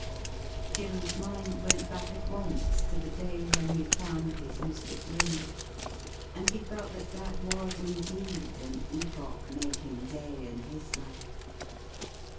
Jim's mind went back at once to the day when he found his mystic ring, and he felt that that was indeed an epoch making day in his life.